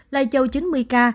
lai châu chín mươi ca